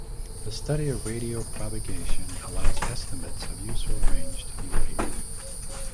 The study of radio propagation allows estimates of useful range to be made.